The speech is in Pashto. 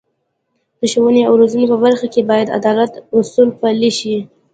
د ښوونې او روزنې په برخه کې باید د عدالت اصول پلي شي.